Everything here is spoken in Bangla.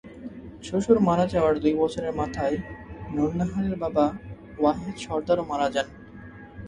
শ্বশুর মারা যাওয়ার দুই বছরের মাথায় নূরুন্নাহারের বাবা ওয়াহেদ সরদারও মারা যান।